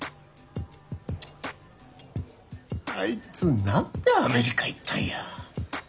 あいつ何でアメリカ行ったんや。